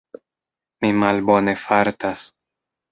Mi malbone fartas.